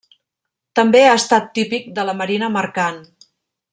També ha estat típic de la marina mercant.